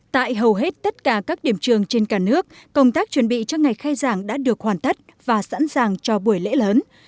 tại hầu hết tất cả các điểm trường trên cả nước công tác chuẩn bị cho ngày khai giảng đã được hoàn tất và sẵn sàng cho buổi lễ lớn